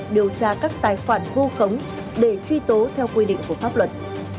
điều tra các tài khoản vu khống để truy tố theo quy định của pháp luật